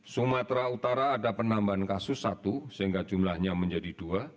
sumatera utara ada penambahan kasus satu sehingga jumlahnya menjadi dua